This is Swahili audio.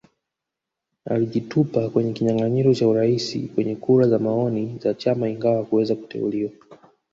Alijitupa kwenye kinyanganyiro cha Urais kwenye kura za maoni za chama ingawa hakuweza kuteuliwa